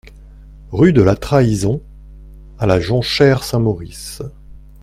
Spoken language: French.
Rue de la Trahison à La Jonchère-Saint-Maurice